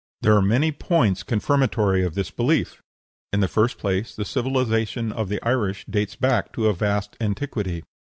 There are many points confirmatory of this belief. In the first place, the civilization of the Irish dates back to a vast antiquity.